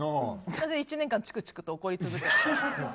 それを１年間チクチクと怒り続けて。